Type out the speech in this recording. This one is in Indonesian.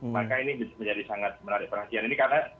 maka ini menjadi sangat menarik perhatian